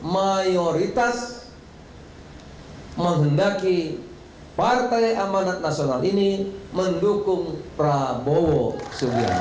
mayoritas mengendaki partai amarat nasional ini mendukung prabowo subianto